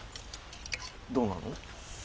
どうなの？